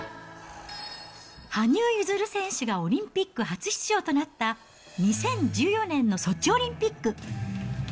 羽生結弦選手がオリンピック初出場となった２０１４年のソチオリンピック。